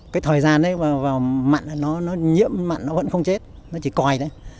cái thời gian đấy vào mặn nó nhiễm mặn nó vẫn không chết nó chỉ còi đấy